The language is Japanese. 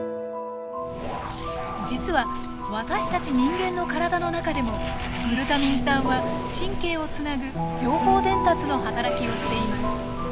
実は私たち人間の体の中でもグルタミン酸は神経をつなぐ情報伝達の働きをしています。